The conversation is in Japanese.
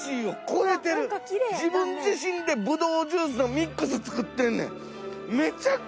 自分自身でブドウジュースのミックス作ってんねん。